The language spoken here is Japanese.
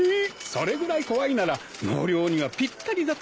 それぐらい怖いなら納涼にはぴったりだと思いますよ。